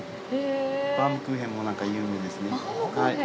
バウムクーヘンも有名ですね。